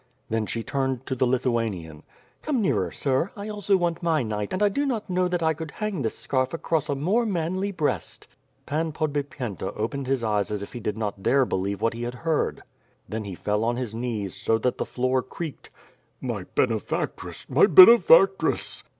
Then she turned to the Lithuanian: "Come nearer, sir; I also want my knight and I do not know that I could hang this ^oarf across a more manly breast." Pan Podbipyenta opened his eyes as if he did not dare believe what he had heard; then he fell on his knees so that the floor creaked. "My benefactress, my benefactress!"